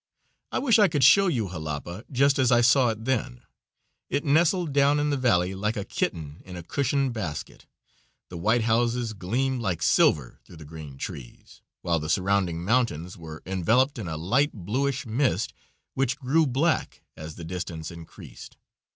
I wish I could show you Jalapa just as I saw it then. It nestled down in the valley like a kitten in a cushioned basket. The white houses gleamed like silver through the green trees, while the surrounding mountains were enveloped in a light bluish mist which grew black as the distance increased.